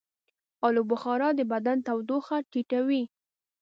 آلوبخارا د بدن تودوخه ټیټوي.